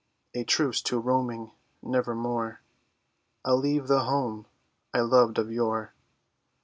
A truce to roaming! Never more I'll leave the home I loved of yore.